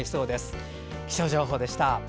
以上、気象情報でした。